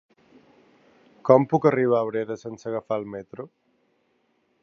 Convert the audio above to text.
Com puc arribar a Abrera sense agafar el metro?